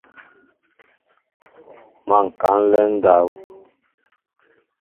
Má ŋkă a nlen ndáw.